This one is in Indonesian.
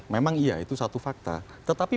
memang iya itu satu fakta tetapi